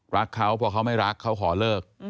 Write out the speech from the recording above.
รักเขาพอเขาไม่รักเขาขอเลิก